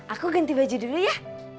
aku ganti baju dulu ya